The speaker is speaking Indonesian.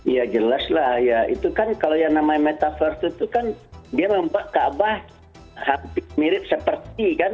ya jelas lah ya itu kan kalau yang namanya metaverse itu kan dia membuat kaabah hampir mirip seperti kan